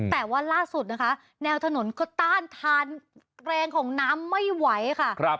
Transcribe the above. แต่ว่าล่าสุดนะคะแนวถนนก็ต้านทานแรงของน้ำไม่ไหวค่ะ